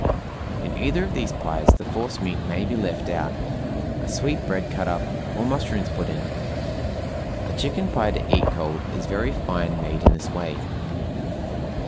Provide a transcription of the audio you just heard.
In either of these pies the force meat may be left out, a sweetbread cut up, or mushrooms put in. A chicken pie to eat cold is very fine made in this way.